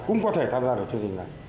cũng có thể tham gia được chương trình này